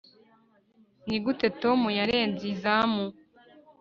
nigute tom yarenze izamu